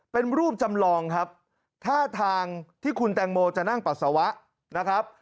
เป็นรูปจำลองครับท่าทางที่คุณแตงโมจะนั่งปัสสาวะนะครับ